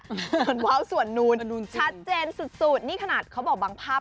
ส่วนว้าวส่วนนู้นชัดเจนสุดนี่ขนาดเขาบอกบางภาพ